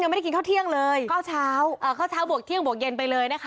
ไม่ได้กินข้าวเที่ยงเลยเข้าเช้าเอ่อเข้าเช้าบวกเที่ยงบวกเย็นไปเลยนะคะ